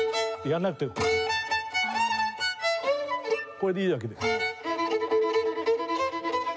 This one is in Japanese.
これでいいわけで。